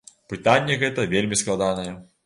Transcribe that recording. Пытанне гэта вельмі складанае.